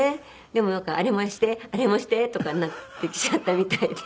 でもなんか「あれもしてあれもして」とかになってきちゃったみたいで。